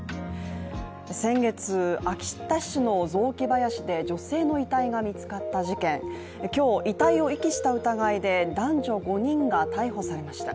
先月、秋田市の雑木林で女性の遺体が見つかった事件、今日、遺体を遺棄した疑いで男女５人が逮捕されました。